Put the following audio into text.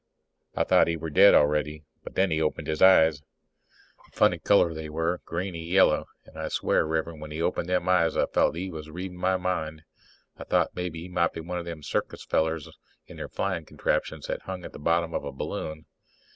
I thought he were dead already, but then he opened up his eyes. A funny color they were, greeny yellow. And I swear, Rev'rend, when he opened them eyes I felt he was readin' my mind. I thought maybe he might be one of them circus fellers in their flying contraptions that hang at the bottom of a balloon.